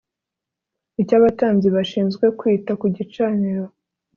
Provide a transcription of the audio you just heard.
icy abatambyi bashinzwe kwita ku gicaniro